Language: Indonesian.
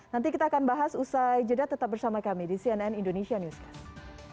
nanti kita akan bahas usai jeda tetap bersama kami di cnn indonesia newscast